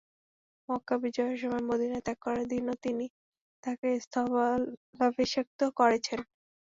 মক্কা বিজয়ের সময় মদীনা ত্যাগ করার দিনও তিনি তাকে তাঁর স্থলাভিষিক্ত করেছেন।